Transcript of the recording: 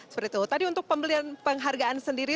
seperti itu tadi untuk pembelian penghargaan sendiri